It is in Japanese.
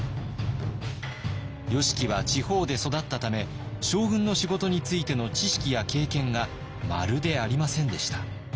義材は地方で育ったため将軍の仕事についての知識や経験がまるでありませんでした。